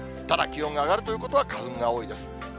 ただ気温が上がるということは、花粉が多いです。